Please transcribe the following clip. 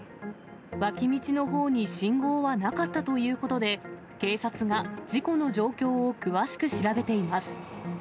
脇道のほうに信号はなかったということで、警察が事故の状況を詳しく調べています。